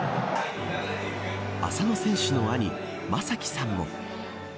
浅野選手の兄、将輝さんも。